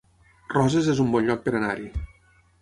Roses es un bon lloc per anar-hi